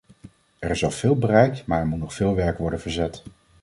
Er is al veel bereikt maar er moet nog veel werk worden verzet.